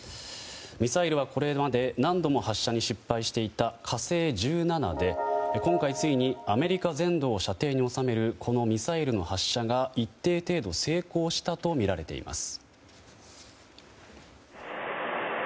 ミサイルは、これまで何度も発射に失敗していた「火星１７」で今回、ついにアメリカ全土を射程に収めるこのミサイルの発射が一定程度成功したとみられています。